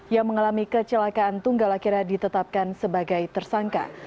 yang mengalami kecelakaan tunggal akhirnya ditetapkan sebagai tersangka